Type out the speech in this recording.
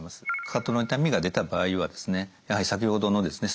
かかとの痛みが出た場合はですねやはり先ほどのですね